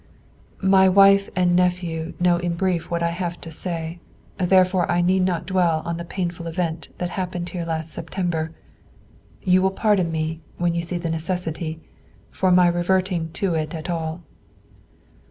My wife and nephew know in brief what I have to say; therefore I need not dwell on the painful event that happened here last September; you will pardon me, when you see the necessity, for my reverting to it at all."